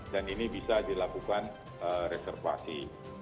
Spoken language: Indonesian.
dan ini bisa dilakukan reservasi